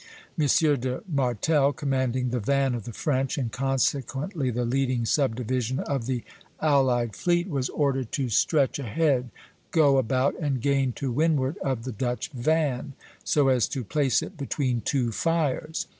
M. de Martel, commanding the van of the French, and consequently the leading subdivision of the allied fleet, was ordered to stretch ahead, go about and gain to windward of the Dutch van, so as to place it between two fires.